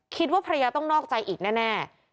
คิดว่าภรรยาต้องนอกใจอีกแน่